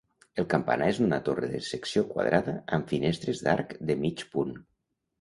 El campanar és una torre de secció quadrada amb finestres d'arc de mig punt.